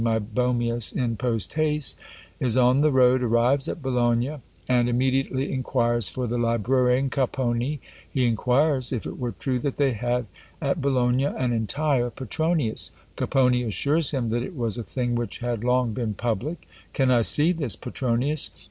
Meibomius in post haste is on the road, arrives at Bologna, and immediately inquires for the librarian Capponi. He inquires if it were true that they had at Bologna an entire Petronius? Capponi assures him that it was a thing which had long been public. "Can I see this Petronius?